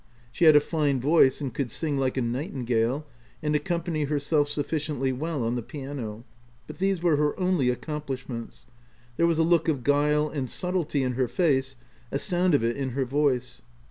She had a fine voice, and could sing like a nightingale, and accompany herself suf ficiently well on the piano ; but these were her only accomplishments. There was a look of guile and subtlety in her face, a sound of it in her voice.